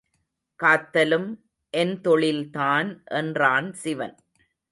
காத்தலும் என் தொழில்தான் என்றான் சிவன்.